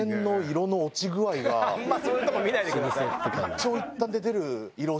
あんまそういうとこ見ないでください。